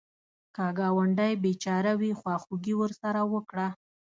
که ګاونډی بېچاره وي، خواخوږي ورسره وکړه